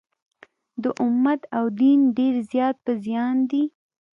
د امت او دین ډېر زیات په زیان دي.